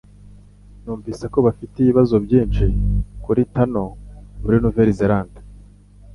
Numvise ko bafite ibibazo byinshi kuri tunel muri Nouvelle-Zélande.